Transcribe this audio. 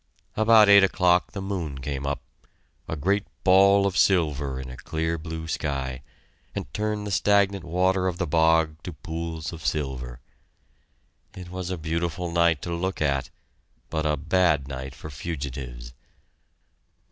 About eight o'clock the moon came up, a great ball of silver in a clear blue sky, and turned the stagnant water of the bog to pools of silver. It was a beautiful night to look at, but a bad night for fugitives.